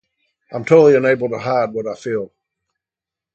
I'm totally unable to hide what I feel.